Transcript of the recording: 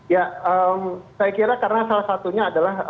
ya saya kira karena salah satunya adalah